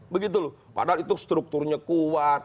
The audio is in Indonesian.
padahal itu strukturnya kuat